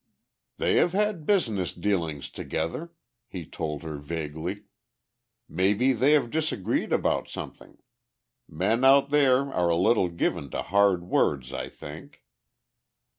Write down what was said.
"They have had business dealings together," he told her vaguely. "Maybe they have disagreed about something. Men out there are a little given to hard words, I think."